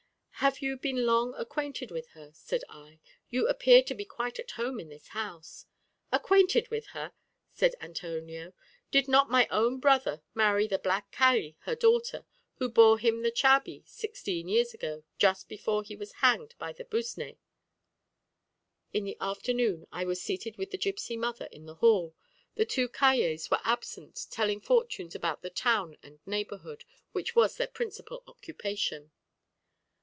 "Have you been long acquainted with her?" said I. "You appear to be quite at home in this house." "Acquainted with her!" said Antonio. "Did not my own brother marry the black Calli, her daughter, who bore him the chabí, sixteen years ago, just before he was hanged by the Busné?" In the afternoon I was seated with the gipsy mother in the hall; the two Callées were absent telling fortunes about the town and neighborhood, which was their principal occupation.